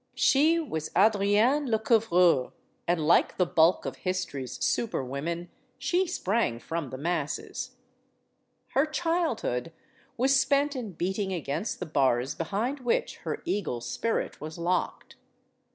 She was Adrienne Lecouvreur; and like the bulk of history's super women, she sprang from the masses. Her childhood was spent in beating against the bars behind which her eagle spirit was locked.